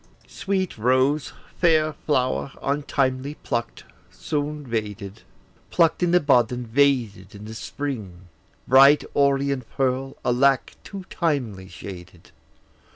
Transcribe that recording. Sweet rose, fair flower, untimely pluck'd, soon vaded, Pluck'd in the bud, and vaded in the spring! Bright orient pearl, alack, too timely shaded!